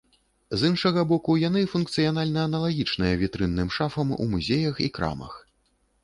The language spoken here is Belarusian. З іншага боку, яны функцыянальна аналагічныя вітрынным шафам у музеях і крамах.